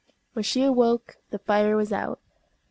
When she awoke the fire was out.